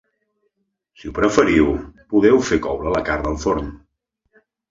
Si ho preferiu, podeu fer coure la carn al forn.